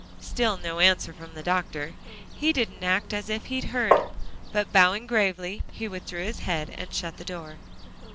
Still no answer from the doctor. He didn't act as if he heard, but bowing gravely, he withdrew his head and shut the door.